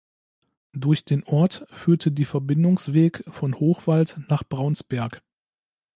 Durch den Ort führte die Verbindungsweg von Hochwald nach Braunsberg.